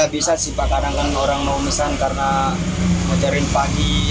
ya bisa sih kadang kadang orang mau pesan karena mencarin pagi